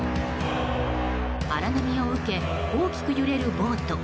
荒波を受け大きく揺れるボート。